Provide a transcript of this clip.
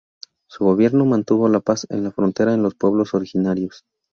Su gobierno mantuvo la paz en la frontera con los pueblos originarios.